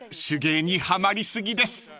手芸にはまり過ぎです］